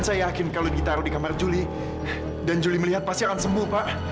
saya yakin kalau ditaruh di kamar julie dan julie melihat pasti akan sembuh